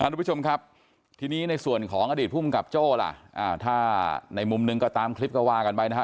ทุกผู้ชมครับทีนี้ในส่วนของอดีตภูมิกับโจ้ล่ะถ้าในมุมหนึ่งก็ตามคลิปก็ว่ากันไปนะฮะ